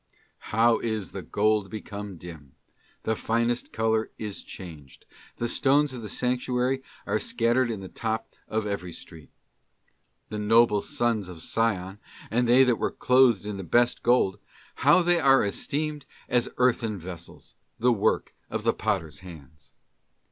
* 'Howis the gold become dim, the finest colour is changed, the stones of the sanctuary are scattered in the top of every street. The noble sons of Sion, and they that were clothed in the best gold, how are they esteemed as * Apoe. xii. 4, a er) ee ea a SINS OF THE FLESH. 261 earthen vessels, the work of the potter's hands!